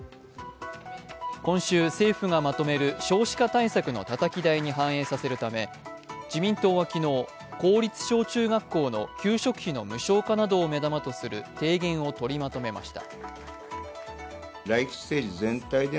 今週、政府がまとめる少子化対策のたたき台に反映させるため、自民党は昨日、公立小中学校の給食費の無償化などを目玉とする提言を取りまとめました。